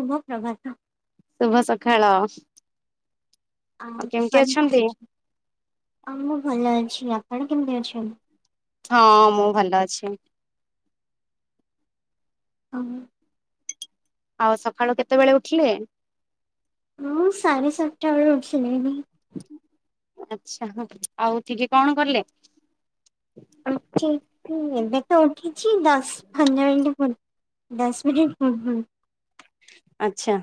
ଶୁଭ ପ୍ରଭାତ। ଶୁଭ ସଖାଳ। [unintelligible] ହଁ ଅଛନ୍ତି? ମୁଁ ଭଲ ଅଛି। ଆପଣ କେମିତି ଅଛନ୍ତି? ହଁ, ମୁଁ ଭଲ ଅଛି। [unintelligible] ଆଉ ସଖାଳୁ କେତେବେଳେ ଉଠିଲେ? ମୁଁ ସାଢେ଼ ସାତଟା ବେଳୁ ଉଠିଲିଣି। ଆଚ୍ଛା, ଆଉ ଉଠିକି କଣ କଲେ? ଉଠିକି, ଏବେ ତ ଉଠିଚି ଦଶ [unintelligible] ଦଶ ମିନିଟ ପୁର୍ବୁରୁ। ଆଚ୍ଛା।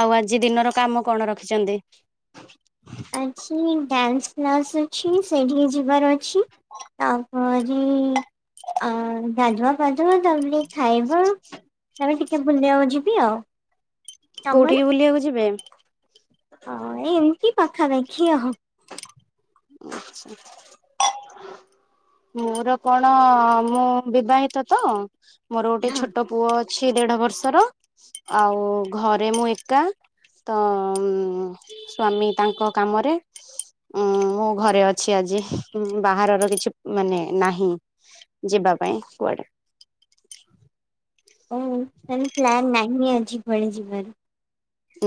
ଆଉ ଆଜି ଦିନର କାମ କଣ ରଖିଚନ୍ତି? ଆଜି ଡ୍ୟାନ୍ସ କ୍ଲାସ୍ ଅଛି ସେଇଠିକି ଯିବାର ଅଛି। ତାପରେ ଆ ଗାଧୁଆ ପାଧୁଆ ତାପରେ ଖାଇବା ତାପରେ ଟିକେ ବୁଲିଆକୁ ଯିବି ଆଉ। କୋଉଠି କି ବୁଲିଆକୁ ଯିବେ? ଆ ଏ ଏମିତି ପାଖାପାଖି ଆଃ। ଆଚ୍ଛା। ମୋର କଣ ମୁଁ ବିବାହିତ ତ ମୋର ଗୋଟେ ହଁ ଛୋଟ ପୁଅ ଅଛି ଦେଢ ବର୍ଷର, ଆଉ ଘରେ ମୁଁ ଏକା। ତ ଉଁ ସ୍ଵାମୀ ତାଙ୍କ କାମରେ। ଉଁ ମୁଁ ଘରେ ଅଛି ଆଜି, ବାହାରର କିଛି ମାନେ ନାହିଁ ଯିବା ପାଇଁ କୁଆଡେ। ଓଃ ତାହେଲେ ପ୍ଲାନ ନାହିଁ ଆଜି କୁଆଡେ ଯିବାର।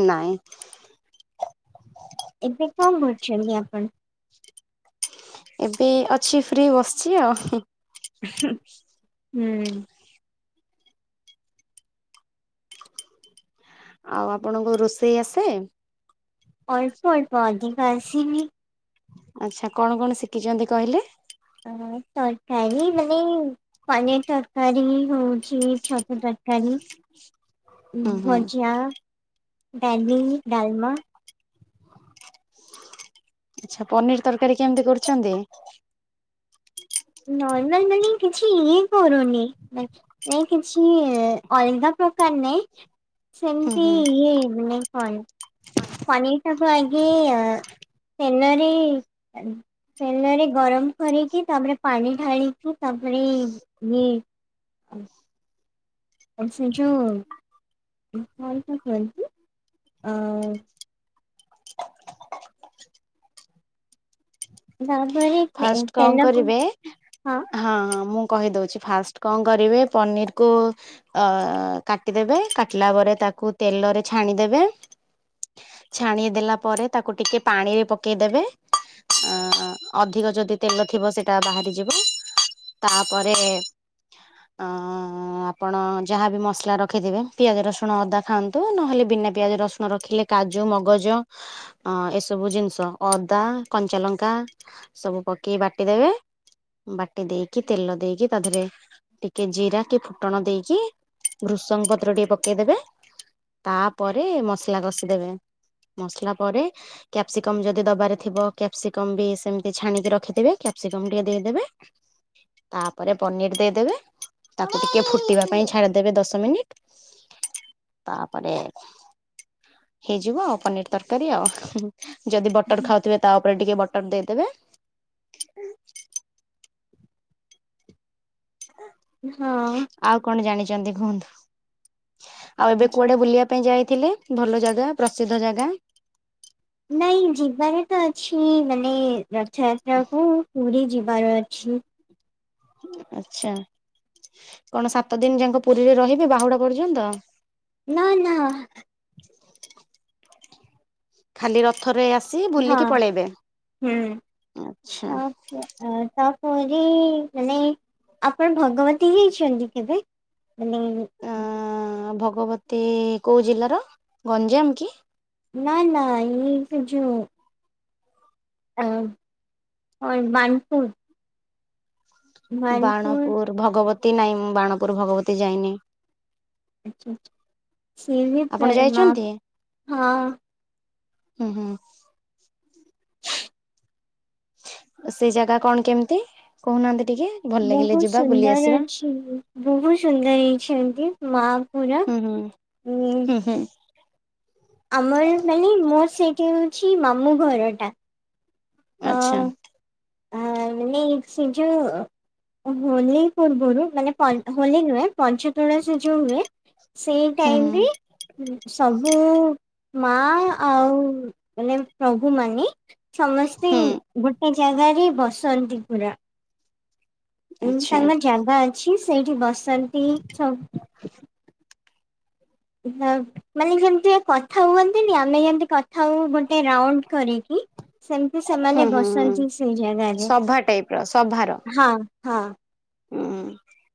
ନାଇଁ। ଏବେ କଣ କରୁଛନ୍ତି ଆପଣ? ଏବେ ଅଛି ଫ୍ରି ବସିଚି ଆଉ ହୁଁ। ହୁଁ। ଆଉ ଆପଣଙ୍କୁ ରୋଷେଇ ଆସେ? ଅଳ୍ପ ଅଳ୍ପ ଅଧିକ ଆସିନି। ଆଚ୍ଛା କଣ କଣ ଶିଖିଚନ୍ତି କହିଲେ? ତରକାରୀ ମାନେ ପନିର ତରକାରୀ ହଉଚି ଛତୁ ତରକାରୀ। ଉଁ ହୁଁ ହୁଁ ଭଜା ଡାଲି ଡାଲମା। ଆଛା ପନିର ତରକାରୀ କେମତି କରୁଛନ୍ତି? ନର୍ମାଲ ମାନେ କିଛି ଇ କରୁନି ନାଇଁ କିଛି ଅଲଗା ପ୍ରକାର ନାଇଁ। ହୁଁ ସେମିତି ହୁଁ ଇଏ [unintelligible] ପନିର ଟାକୁୁ ଆଗେ ତେଲ ରେ ତେଲରେ ଗରମ କରିକି ତାପରେ ପାଣି ଢାଳିକି ତାପରେ ଇଏ [unintelligible] [unintelligible] [unintelligible] ଫାଷ୍ଟ କଣ କରିବେ ହଁ ହଁ ହ ମୁଁ କହିଦଉଛି ଫାଷ୍ଟ କଣ କରିବେ ପନିରକୁ ଅ କାଟିଦେବେ କାଟିଲା ପରେ ତାକୁ ତେଲରେ ଛାଣିଦେବେ। ଛାଣି ଦେଲା ପରେ ତାକୁ ଟିକେ ପାଣିରେ ପକେଇଦେବେ ଆ ଅଧିକ ଯଦି ତେଲ ଥିବ ସେଇଟା ବାହାରିଯିବ ତାପରେ ଅ ଆପଣ ଯାହାବି ମସଲା ରଖିଥିବେ ପିଆଜ, ରସୁଣ, ଅଦା ଖାଆନ୍ତୁ ନହେଲେ ବିନା ପିଆଜ, ରସୁଣ ରଖିଲେ କାଜୁ, ମଗଜ ଅ ଏସବୁ ଜିନିଷ ଅଦା, କଞ୍ଚାଲଙ୍କା ସବୁ ପକେଇ ବାଟିଦେବେ। ବାଟି ଦେଇକି ତେଲ ଦେଇକି ତା ଦେହରେ ଟିକେ ଜିରା କି ଫୁଟଣ ଦେଇକି ଘୃସଙ୍ଗ ପତ୍ର ଟିକେ ପକେଇଦେବେ। ତାପରେ ମସଲା କଷିଦେବେ। ମସଲା ପରେ କ୍ୟାପସିକମ ଯଦି ଦବାରେ ଥିବ କ୍ୟାପ୍ସିକମ ବି ସେମିତି ଛାଣିକି ରଖିଥିବେ କ୍ୟାପସିକମ୍ ଟିକେ ଦେଇଦେବେ ତାପରେ ପନିର ଦେଇଦେବେ। ତାକୁ ଟିକେ ଫୁଟିବା ପାଇଁ ଛାଡ଼ିଦେବେ ଦଶ ମିନିଟ୍ ତାପରେ ହେଇଯିବ ଆଉ ପନିର ତରକାରୀ ଆଉ। ଯଦି ବଟର ଖାଉଥିବେ ତା ଉପରେ ଟିକେ ବଟର ଦେଇଦେବେ। ହ ହଁ ଆଉ କଣ ଜାଣିଛନ୍ତି କୁହନ୍ତୁ ଆଉ ଏବେ କୁଆଡେ ବୁଲିବା ପାଇଁ ଯାଇଥିଲେ ଭଲ ଜାଗା ପ୍ରସିଦ୍ଧ ଜାଗା? ନାଇଁ ଯିବାରେ ତ ଅଛି ମାନେ ରଥଯାତ୍ରା କୁ ପୁରୀ ଯିବାର ଅଛି। ଆଚ୍ଛା କଣ ସାତ ଦିନ ଯାକ ପୁରୀରେ ରହିବେ ବାହୁଡା ପର୍ଯ୍ୟନ୍ତ? ନା ନା ଖାଲି ରଥରେ ଆସି ବୁଲିକି ହଁ ପଳେଇବେ ହୁଁ ଆଛା। ତାପ ତାପରେ ମାନେ ଆପଣ ଭଗବତୀ ହେଇଛନ୍ତି କେବେ ମାନେ ଆ ଭଗବତୀ କୋଉ ଜିଲ୍ଲାର ଗଞ୍ଜାମ କି? ନା ନା ଏଇ ଜଉ ଆ ହ ମାନପୁର ବାଣପୁର ଭଗବତୀ ନାଇଁ ମୁଁ ବାଣପୁର ଭଗବତୀ ଯାଇନି। ଆଛା ସି ଆପଣ ହଁ ଯାଇଛନ୍ତି ହୁଁ ହୁଁ ସେଇ ଜାଗା କଣ କେମିତି କହୁନାହାନ୍ତି ଟିକେ? ଭଲ ଲାଗିଲେ ବହୁତ ଯିବା ବୁଲି ସୁନ୍ଦର ଆସିବା ଅଛି ବହୁତ ସୁନ୍ଦର ହେଇଛନ୍ତି ମାଆ ପୁରା। ହୁଁ ହୁଁ। ଉଁ ହୁଁ। ହୁଁ ଆମର ମାନେ ମୋର ସେଇଟା ହେଉଛି ମାମୁଁ ଘରଟା। ଆଚ୍ଛା। ହାଁ ମାନେ ସେ ଯୋଉ ହୋଲି ପୂର୍ବରୁ ମାନେ ପନ୍ ହୋଲି ନୁହେଁ ପଞ୍ଚ୍ ତୁଳସୀ ଯୋଉ ହୁଏ ସେଇ ହୁଁ ଟାଇମରେ ସବୁ ମାଆ ଆଉ ମାନେ ପ୍ରଭୁମାନେ ସମସ୍ତେ ହୁଁ ଗୋଟେ ଜାଗାରେ ବସନ୍ତି ପୁରା। ଉଁ ଆଚ୍ଛା ତାଙ୍କ ଜାଗା ଅଛି ସେଇଠି ବସନ୍ତି ସବୁ ହଁ ମାନେ ଯେମିତିଆ କଥା ହୁଅନ୍ତିନି ଆମେ ଯେମତି କ କଥା ହଉ ଗୋଟେ ରାଉଣ୍ଡ କରିକି ସେମିତି ହୁଁ ସେମାନେ ବସନ୍ତି ସେଇ ଜାଗାରେ। ଆଉ ସଭାର ହଁ ହଁ। ଉଁ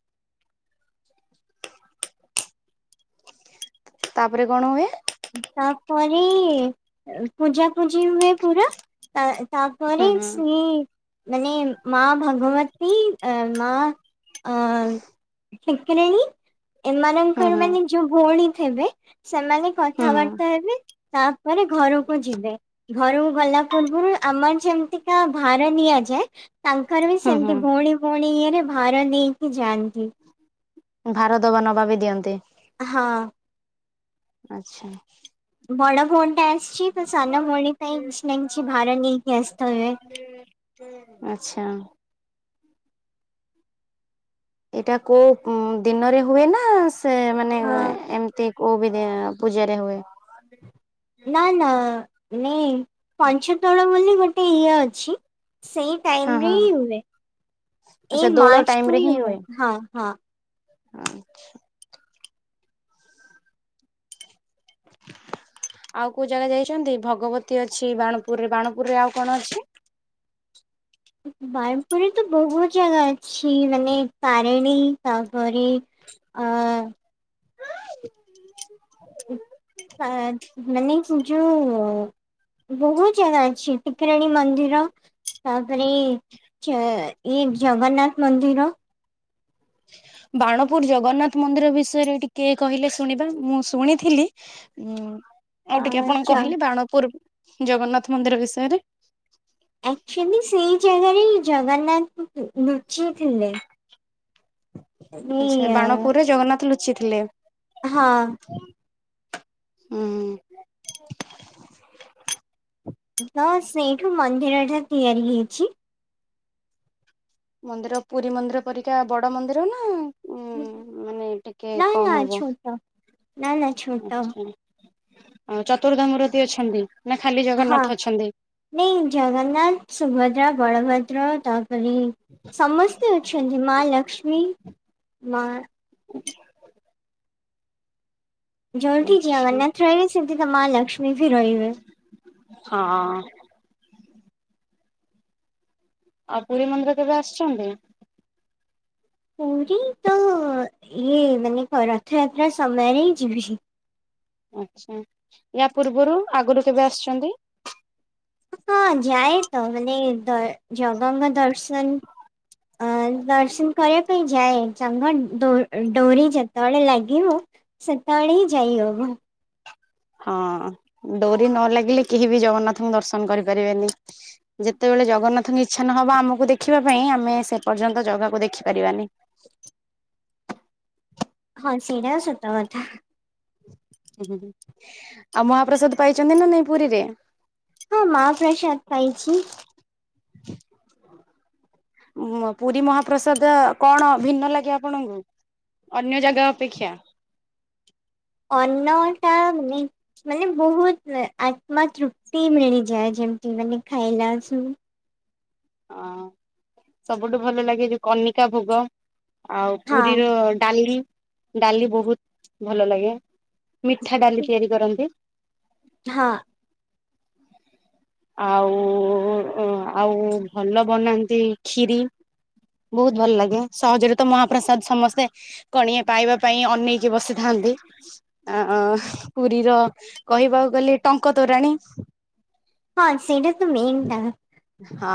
ତାପରେ କଣ ହୁଏ? ତାପରେ ପୂଜାପୂଜି ହୁଏ ପୁରା। ତା ତାପରେ ହୁଁ ହୁଁ ସେ ମାନେ ମାଆ ଭଗବତୀ ଏଁ ମାଆ ଅ-ଅ-ଅ ଠେକିଲେଣି ହୁଁ ଏମାନଙ୍କର ହୁଁ। ମାନେ ଯୋଉ ଭଉଣୀ ଥିବେ ସେମାନେ ହୁଁ କଥାବାର୍ତ୍ତା ହେବେ ତାପରେ ଘରକୁ ଯିବେ। ଘରୁକୁ ଗଲା ପୂର୍ବରୁ ଆମର ଯେମିତିକା ଭାର ନିଆଯାଏ ତାଙ୍କର ବି ହୁଁ ହୁଁ ସେମତି ଭଉଣୀ ଭଉଣୀ ଇଏରେ ଭାର ନେଇକି ଯାଆନ୍ତି। ଭାର ଦବା ନବା ବି ଦିଅନ୍ତି। ହଁ। ଆଚ୍ଛା। ବଡ଼ ଭଉଣୀଟା ଆସିଛି ତ ସାନ ଭଉଣୀ ପାଇଁ କିଛି ନା‌‌ କିଛି ଭାର ନେଇକି ଆସିଥିବେ। ଆଚ୍ଛା। ଏଇଟା କୋଉ ଦିନରେ ହୁଏ ନା ସେ ମାନେ ହଁ ଏମିତି? କୋଉ ବି ଦି ପୂଜାରେ ହୁଏ। ନା-ନା ନେଇଁ ପଞ୍ଚୁ ଦୋଳ ବୋଲି ଗୋ ଗୋଟେ ଇଏ ଅଛି ସେଇ ହଁ ଟାଇମରେ ହଁ ହିଁ ହୁଏ, ଆଚ୍ଛା ଏଇ ଦୋଳ ମାର୍ଚ୍ଚକୁ ହିଁ ହୁଏ ହଁ ହଁ। ଆଚ୍ଛା। ଆଉ କୋଉ ଜାଗା ଯାଇଛନ୍ତି? ଭଗବତୀ ଅଛି ବାଣପୁରରେ, ବାଣପୁରରେ ଆଉ କଣ ଅଛି? ବାଣପୁରରେ ତ ବହୁତ ଜାଗା ଅଛି ମାନେ ତାରିଣୀ ତାପରେ ଅ ହ [inaudible] ମାନେ ଯୋଉ ବହୁତ ଜାଗା ଅଛି ଟିକିରାଣୀ ମନ୍ଦିର ତାପରେ ଚା ଏ ଜଗନ୍ନାଥ ମନ୍ଦିର ବାଣପୁର ଜଗନ୍ନାଥ ମନ୍ଦିର ବିଷୟରେ ଟିକେ କହିଲେ ଶୁଣିବା, ମୁଁ ଶୁଣିଥିଲି। ଉଁ ଆଉ ଟିକେ ଆପଣ ଆଛା କହିଲେ ବାଣପୁର ଜଗନ୍ନାଥ ମନ୍ଦିର ବିଷୟରେ। ଆକ୍ଚୁଆଲି ସେଇ ଜାଗାରେ ହିଁ ଜଗନ୍ନାଥ ଲୁଚିଥିଲେ। ଆଚ୍ଛା ବାଣପୁରରେ ଜଗନ୍ନାଥ ଲୁଚିଥିଲେ। ହଁ। ହୁଁ ତ ସେଇଠୁ ମନ୍ଦିର ଟା ତିଆରି ହେଇଚି। ମନ୍ଦିର ପୁରୀ ମନ୍ଦିର ପରିକା ବଡ ମନ୍ଦିର ନାଁ। ମାନେ ଟିକେ ନା ନା କମ୍ ହେବ ଛୋଟ ନା ନା ଛୋଟ ଆଚ୍ଛା। ଚତୁର୍ଦ୍ଦାମୁରତୀ ଅଛନ୍ତି ନାଁ ଖାଲି ହଁ ଜଗନ୍ନାଥ ଅଛନ୍ତି। ନାଇଁ ଜଗନ୍ନାଥ ସୁଭଦ୍ରା ବଳଭଦ୍ର ତ ରି ସମସ୍ତେ ଅଛନ୍ତି ମା ଲକ୍ଷ୍ମିମି ମା ଜଲ୍ଦି ଯା ଆ ଆଚ୍ଛା ଅନ୍ନାଥ ରହି ସେଧି ତ ମା ଲଷ୍ମୀ ବି ରହିବେ। ହଁ। ଆଉ ପୁରୀ ମନ୍ଦିର କେବେ ଆସିଛନ୍ତି? ପୁରୀ ତ ଇଏ ମାନେ ରଥଯାତ୍ରା ସମୟରେ ହିଁ ଯିବି। ଆଚ୍ଛା ୟା ପୂର୍ବରୁ ଆଗରୁ କେବେ ଆସିଛନ୍ତି? ହଁ ଯାଏ ତ ମାନେ ଦ ଜଗନ୍ନାଥ ଦର୍ଶନ ଅ ଦର୍ଶନ କରିବା ପାଇଁ ଯାଏ ସାଙ୍ଗଡ ଡୋରି ଯେତେବେଳେ ଲାଗିବ। ସେତଳେ ହିଁ ଯାଇ ହବ। ହଁ ଡୋରି ନ ଲାଗିଲେ କେହି ବି ଜଗନ୍ନାଥଙ୍କୁ ଦର୍ଶନ କରିପାରିବେନି। ଯେତେବେଳେ ଜଗନ୍ନାଥଙ୍କ ଇଚ୍ଛା ନ ହେବ ଆମକୁ ଦେଖିବା ପାଇଁ ଆମେ ସେ ପର୍ଯ୍ୟନ୍ତ ଜାଗାକୁ ଦେଖିପାରିବାନି। ହଁ ସେଇଟାତ ସତ କଥା। ହୁଁ ଆଉ ମହାପ୍ରସାଦ ପାଇ ଚନ୍ତି ନାଁ ନାଇଁ ପୁରୀରେ? ମାହାପ୍ରସାଦ ପାଇଚି। ପୁରୀ ମହାପ୍ରସାଦ କଣ ଭିନ୍ନ ଲାଗେ ଆପଣଙ୍କୁ ଅନ୍ୟ ଜାଗା ଅପେକ୍ଷା। ଅନ୍ନ ଟାମି ମାନେ ବହୁତ୍ ଆତ୍ମା ତୃପ୍ତି ମିଳିଯାଏ ଯେମତି ମାନେ ଖାଇଲା ସୁ ହଁ ସବୁଠୁ ଭଲ ଲାଗେ ଯୋଉ କନିକା ଭୋଗ। ଆଉ ହଁ ପୁରୀର ଡାଲି ଡାଲି ବହୁତ୍ ଭଲ ଲାଗେ। ମିଠା ଡାଲି ତିଆରି କରନ୍ତି। ହଁ। ଆଉ ଆଉ ଭଲ ବନାନ୍ତି ଖିରି। ବହୁତ୍ ଭଲ ଲାଗେ ସହଜରେ ତ ମହାପ୍ରସାଦ ସମସ୍ତେ କଣିଆ ପାଇବା ପାଇଁ ଅନେଇକି ବସିଥାନ୍ତି। ଅ ପୁରୀର କହିବାକୁ ଗଲେ ଟଙ୍କ ତୋରାଣୀ। ହଁ ସେଇଟା ତ ମେନ୍ ଟା। ହଁ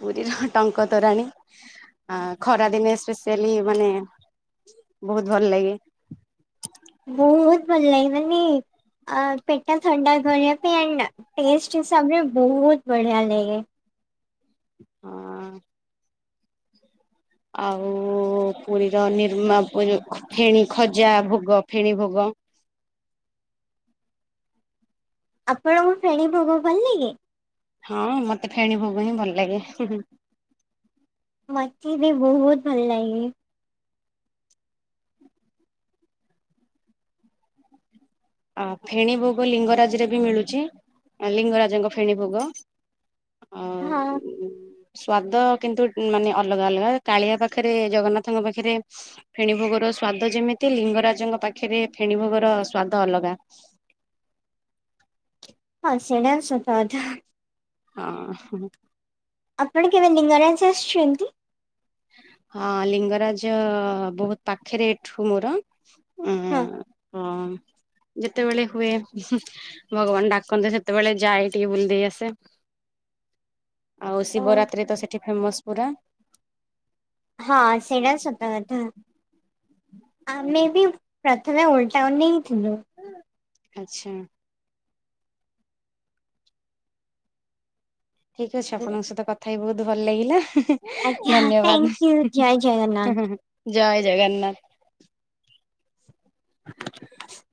ପୁରୀର ଟଙ୍କ ତୋରାଣୀ। ଆ ଖରା ଦିନେ ସ୍ପେଆଲି ମାନେ ବହୁତ୍ ଭଲ ଲାଗେ। ବହୁତ୍ ଭଲ ଲାଗିଲାନି। ଆ ପେଟା ଥଣ୍ଡା କରିବା ପାଇଁ ଆଣ୍ଡ ଟେଷ୍ଟ ହିସାବରେ ବହୁତ୍ ବଢିଆ ଲାଗେ। ହଁ। ଆଉ ପୁରୀର ନିର୍ମା ଫେଣି ଖଜା ଭୋଗ ଫେଣି ଭୋଗ। ଆପଣଙ୍କୁ ଫେଣୀ ଭୋଗ ଭଲ ଲାଗେ? ହଁ ମତେ ଫେଣୀ ଭୋଗ ହିଁ ଭଲ ଲାଗେ। ମତେ ବି ବହୁତ୍ ଭଲ ଲାଗେ। ଆ ଫେଣୀ ଭୋଗ ଲିଙ୍ଗରାଜରେ ବି ମିଳୁଚି ଲିଙ୍ଗରାଜଙ୍କ ଫେଣୀ ଭୋଗ। ଆଁ ହଁ ଉଁ ସ୍ଵାଦ କିନ୍ତୁ ମାନେ ଅଲଗା ଅଲଗା କାଳିଆ ପାଖରେ ଜଗନ୍ନାଥଙ୍କ ପାଖରେ। ଫେଣୀ ଭୋଗର ସ୍ଵାଦ ଯେମିତି ଲିଙ୍ଗରାଜଙ୍କ ପାଖରେ ଫେଣୀ ଭୋଗର ସ୍ଵାଦ ଅଲଗା। ହଁ ସେଇଟା ବି ସତକଥା। ହଁ। ଆପଣ କେବେ ଲିଙ୍ଗରାଜ ଆସିଛନ୍ତି? ହଁ ଲିଙ୍ଗରାଜ ବହୁତ ପାଖରେ ଏଠୁ ମୋର। ହଁ ହ ଯେତେବେଳେ ହୁଏ। ଭଗବାନ ଡାକନ୍ତେ ସେତେବେଳେ ଯାଏ ଟିକେ ବୁଲିଦେଇ ଆସେ। ଆଉ ଓ ଶିବରାତ୍ରି ତ ସେଇଠି ଫେମସ୍ ପୁରା। ହଁ ସେଇଟା ସତ କଥା ଆମେ ବି। ପ୍ରଥମେ ଓଲ୍ ଟାଉନ ରେ ହଁ ଥିଲୁ। ଆଚ୍ଛା। ଠିକ ଅଛି ଆପଣଙ୍କ ସହିତ କଥା ହେଇକି ବହୁତ ଭଲ ଲାଗିଲା। ଆଜ୍ଞା ଧନ୍ୟବାଦ ଥ୍ୟାଙ୍କ ୟୁ ଜୟ ଜଗନ୍ନାଥ। ଜୟ ଜଗନ୍ନାଥ। [inaudible]